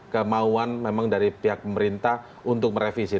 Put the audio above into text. kemauan memang dari pihak pemerintah untuk merevisi